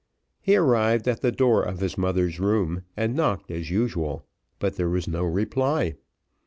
He arrived at the door of his mother's room, and knocked as usual, but there was no reply.